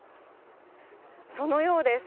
そのようです。